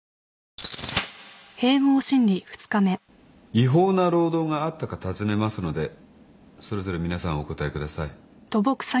違法な労働があったか尋ねますのでそれぞれ皆さんお答えください。